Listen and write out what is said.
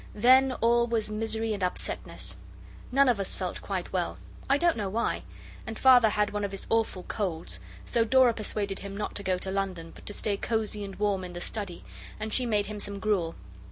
Then all was misery and upsetness. None of us felt quite well; I don't know why: and Father had one of his awful colds, so Dora persuaded him not to go to London, but to stay cosy and warm in the study, and she made him some gruel.